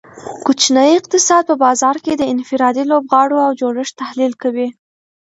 کوچنی اقتصاد په بازار کې د انفرادي لوبغاړو او جوړښت تحلیل کوي